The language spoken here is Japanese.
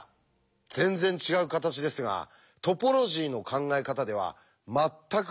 全然違う形ですがトポロジーの考え方では全く同じ形なんです。